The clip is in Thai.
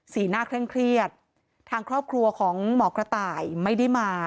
หน้าเคร่งเครียดทางครอบครัวของหมอกระต่ายไม่ได้มา